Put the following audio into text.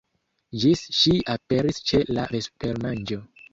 Ĝis ŝi aperis ĉe la vespermanĝo.